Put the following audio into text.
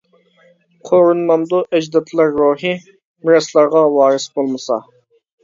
قورۇنمامدۇ ئەجدادلار روھى، مىراسلارغا ۋارىس بولمىسا.